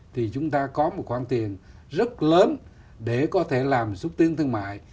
thì chúng ta có một khoản tiền rất lớn để có thể làm xúc tiến thương mại